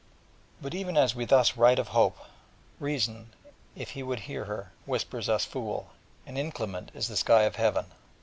'But even as we thus write of hope, Reason, if we would hear her, whispers us "fool": and inclement is the sky of earth.